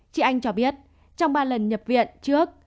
chị anh cho biết trong ba lần nhập viện trước